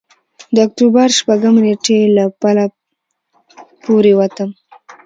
د اکتوبر شپږمې نېټې له پله پورېوتم.